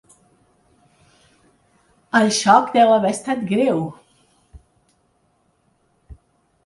El xoc deu haver estat greu.